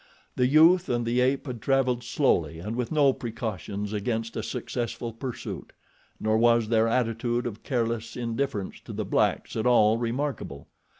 The youth and the ape had traveled slowly and with no precautions against a successful pursuit. Nor was their attitude of careless indifference to the blacks at all remarkable.